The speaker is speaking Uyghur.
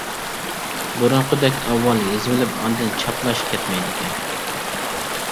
بۇرۇنقىدەك ئاۋۋال يېزىۋېلىپ ئاندىن چاپلاش كەتمەيدىكەن.